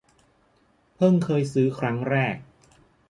เพิ่งเคยซื้อครั้งแรก